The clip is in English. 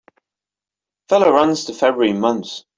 Feller runs the February months.